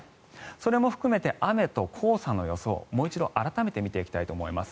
それも含めて雨と黄砂の予想、もう一度改めて見ていきたいと思います。